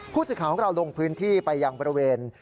ผู้สื่อข่าวของเราลงพื้นที่ไปยังบริเวณ